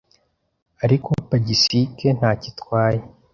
Ariko pigisike ntacyo itwaye